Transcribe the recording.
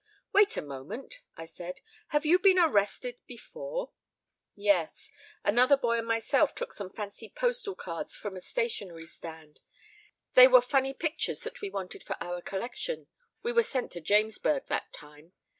"Wait a moment," I said. "Have you been arrested before." "Yes, another boy and myself took some fancy postal cards from a stationery stand. They were funny pictures that we wanted for our collection. We were sent to Jamesburg that time.